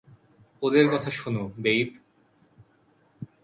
ওদের কথা শোনো, বেইব।